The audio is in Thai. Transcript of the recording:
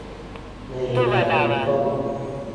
ในเมืองเป็นต้น